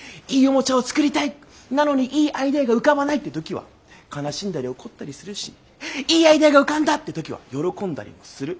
なのにいいアイデアが浮かばないって時は悲しんだり怒ったりするしいいアイデアが浮かんだって時は喜んだりもする。